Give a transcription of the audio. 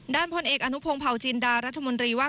ด้านผลเอกธนศักดิ์อภาวิชาอจิลดารัฐมนตรีว่า